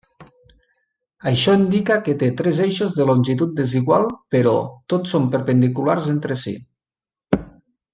Això indica que té tres eixos de longitud desigual però, tots són perpendiculars entre si.